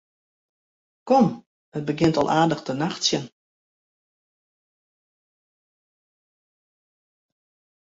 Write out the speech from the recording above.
Kom, it begjint al aardich te nachtsjen.